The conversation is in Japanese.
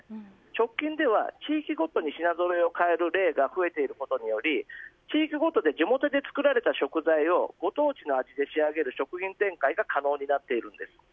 直近では地域ごとに品ぞろえを変える例が増えていることにより地域ごとで地元に作られた食材をご当地の味で仕上げる商品展開が可能になっているんです。